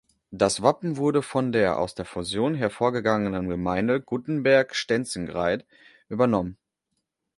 Das Wappen wurde von der aus der Fusion hervorgegangenen Gemeinde Gutenberg-Stenzengreith übernommen.